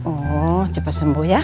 oh cepet sembuh ya